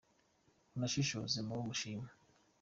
unashishoze mubo mushima